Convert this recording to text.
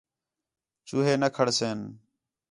چوہے نہ کھڑسِن